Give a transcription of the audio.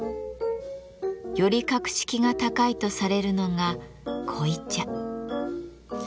より格式が高いとされるのが濃茶。